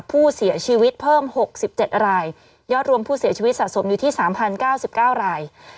ผู้เสียชีวิตเพิ่มหกสิบเจ็ดรายยอดรวมผู้เสียชีวิตสะสมอยู่ที่สามพันเก้าสิบเก้าราย